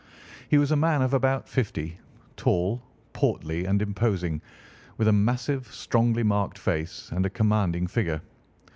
He was a man of about fifty, tall, portly, and imposing, with a massive, strongly marked face and a commanding figure.